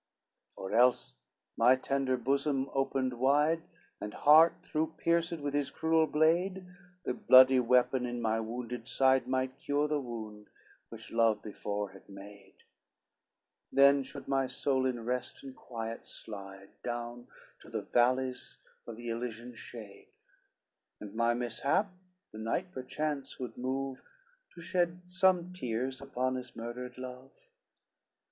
LXXXV "Or else my tender bosom opened wide, And heart though pierced with his cruel blade, The bloody weapon in my wounded side Might cure the wound which love before had made; Then should my soul in rest and quiet slide Down to the valleys of the Elysian shade, And my mishap the knight perchance would move, To shed some tears upon his murdered love.